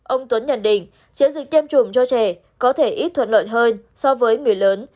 ông tuấn nhận định chiến dịch tiêm chủng cho trẻ có thể ít thuận lợi hơn so với người lớn